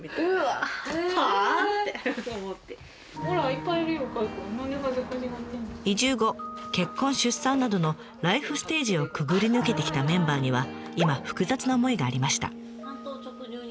やっぱりとなるとやっぱり移住後結婚・出産などのライフステージをくぐり抜けてきたメンバーには今複雑な思いがありました。